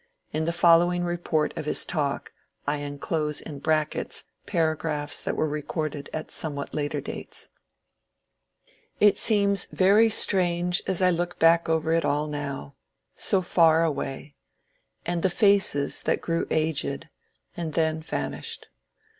In the following report of his talk I enclose in brack ets paragraphs that were recorded at somewhat later dates : It seems very strange as I look back over it all now — so far away — and the faces that grew aged, and then vanished.